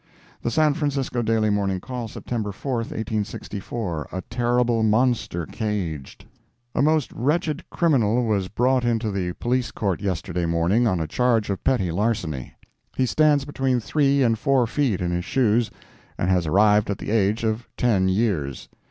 The San Francisco Daily Morning Call, September 4, 1864 A TERRIBLE MONSTER CAGED A most wretched criminal was brought into the Police Court yesterday morning, on a charge of petty larceny. He stands between three and four feet in his shoes, and has arrived at the age of ten years.